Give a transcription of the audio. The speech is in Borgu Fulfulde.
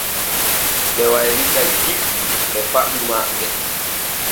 Ɓe baylita jikku e faɗu maɓɓe.